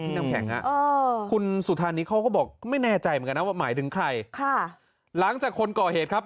น้ำแข็งคุณสุธานิเขาก็บอกไม่แน่ใจเหมือนกันนะว่าหมายถึงใครค่ะหลังจากคนก่อเหตุครับ